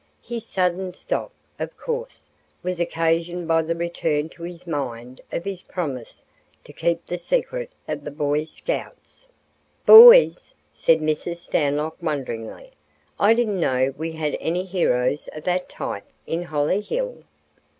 His sudden stop, of course, was occasioned by the return to his mind of his promise to keep the secret of the Boy Scouts. "Boys," said Mrs. Stanlock, wonderingly. "I didn't know that we had any heroes of that type in Hollyhill."